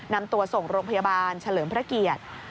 นำตัวส่งโรงพยาบาลเฉลิมพระเกียรติ